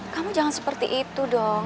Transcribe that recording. kamu jangan seperti itu dong